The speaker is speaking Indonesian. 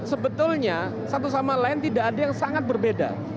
sebetulnya satu sama lain tidak ada yang sangat berbeda